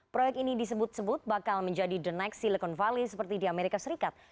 proyek ini disebut sebut bakal menjadi the next silicon valley seperti di amerika serikat